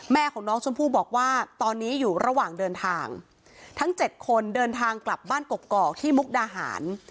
แม่ของน้องชมพู่บอกว่าตอนนี้อยู่ระหว่างเดินทางทั้งเจ็ดคนเดินทางกลับบ้านกกอกที่มุกดาหาร